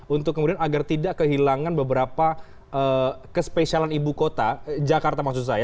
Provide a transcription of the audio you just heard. untuk kemudian agar tidak kehilangan beberapa kespesialan ibu kota jakarta maksud saya